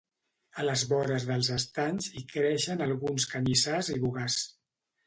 A les vores dels estanys hi creixen alguns canyissars i bogars.